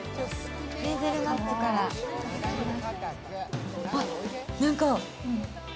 ヘーゼルナッツからいただきます。